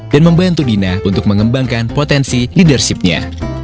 dan membantu dina untuk mengembangkan potensi leadership nya